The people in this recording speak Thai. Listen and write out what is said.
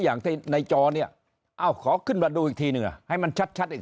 อย่างที่ในจอเนี่ยเอ้าขอขึ้นมาดูอีกทีหนึ่งให้มันชัดอีก